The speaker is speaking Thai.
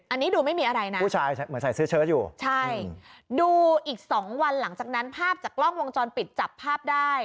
อันนี้ดูไม่มีอะไรนะผู้ชายเหมือนใส่เสื้อเชิดอยู่ใช่ดูอีกสองวันหลังจากนั้นภาพจากกล้องวงจรปิดจับภาพได้